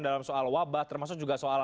dalam soal wabah termasuk juga soal